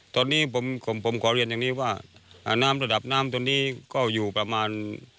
ตอนนี้ผมผมขอเรียนอย่างนี้ว่าน้ำระดับน้ำตรงนี้ก็อยู่ประมาณ